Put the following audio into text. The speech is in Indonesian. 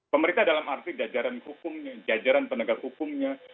pemerintah dalam arti jajaran hukumnya jajaran penegak hukumnya